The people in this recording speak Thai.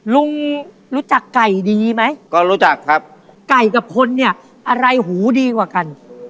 ลุงรู้จักไก่ดีไหมก็รู้จักครับไก่กับคนเนี่ยอะไรหูดีกว่ากัน